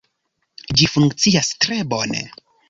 Ĝi funkcias tre bone